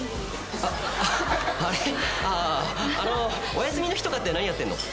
お休みの日とかって何やってんの？